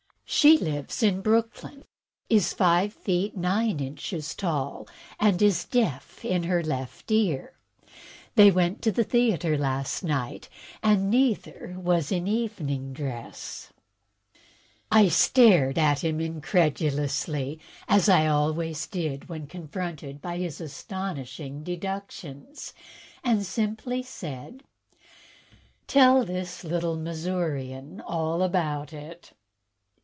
She lives in Brooklyn, is five feet nine inches tall, and is deaf in her left ear. They went to the theatre last night, and neither was in evening dress." I stared at him incredulously, as I always did when confronted by his astonishing "deductions," and simply said: "Tell this little Missourian all about it."